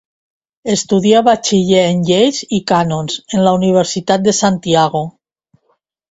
Estudia batxiller en lleis i cànons en la Universitat de Santiago.